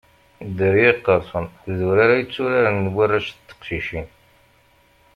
Dderya Iqersen d urar ay tturaren warrac d teqcicin.